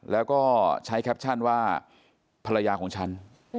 แล้วก็ใช้แคปชั่นว่าภรรยาของฉัน